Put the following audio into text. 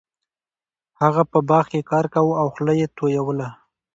هغه په باغ کې کار کاوه او خوله یې تویوله.